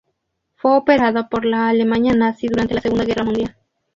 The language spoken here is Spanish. Fue operado por la Alemania Nazi durante la Segunda Guerra Mundial.